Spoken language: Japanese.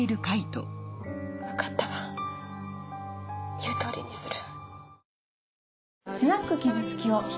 わかったわ言うとおりにする。